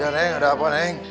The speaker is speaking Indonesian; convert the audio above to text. ya neng ada apa neng